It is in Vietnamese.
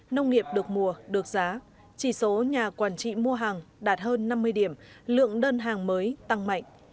nông nghiệp được mùa được giá chỉ số nhà quản trị mua hàng đạt hơn năm mươi điểm lượng đơn hàng mới tăng mạnh